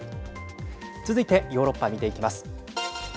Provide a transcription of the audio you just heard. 続いてヨーロッパ見ていきます。